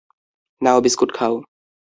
নাও biscuit খাও।